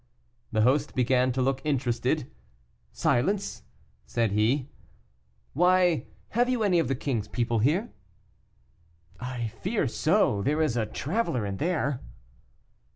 The host began to look interested. "Silence," said he. "Why, have you any of the king's people here?" "I fear so; there is a traveler in there."